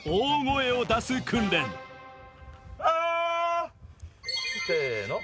あぁせの！